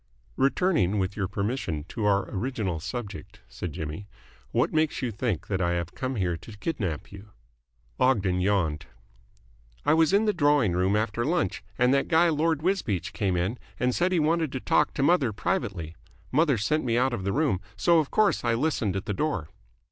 "Returning, with your permission, to our original subject," said Jimmy, "what makes you think that I have come here to kidnap you?" Ogden yawned. "I was in the drawing room after lunch, and that guy Lord Wisbeach came in and said he wanted to talk to mother privately. Mother sent me out of the room, so of course I listened at the door."